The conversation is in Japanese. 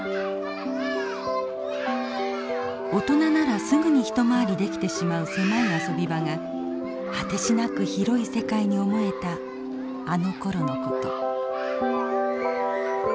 大人ならすぐに一回りできてしまう狭い遊び場が果てしなく広い世界に思えたあのころのこと。